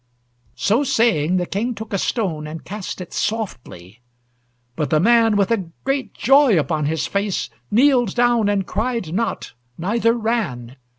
So saying, the King took a stone, And cast it softly; but the man, With a great joy upon his face, Kneeled down, and cried not, neither ran.